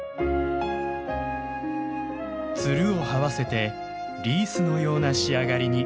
ツルを這わせてリースのような仕上がりに。